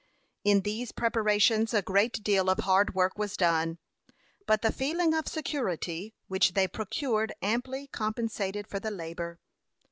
In these preparations a great deal of hard work was done; but the feeling of security which they procured amply compensated for the labor.